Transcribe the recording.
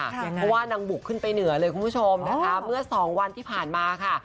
เพราะว่านางบุกขึ้นไปเหนือเลยคุณผู้ชมนะคะเมื่อสองวันที่ผ่านมาค่ะ